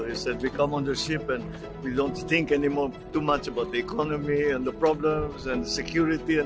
dia mengatakan kita datang di perairan dan kita tidak berpikir terlalu banyak tentang ekonomi masalah dan keamanan